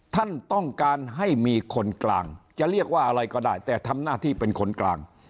ท่านต้องการให้มีคนกลางจะเรียกว่าอะไรก็ได้แต่ทำหน้าที่เป็นคนกลาง